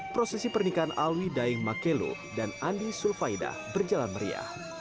prosesi pernikahan alwi daeng makelo dan andi sulfaidah berjalan meriah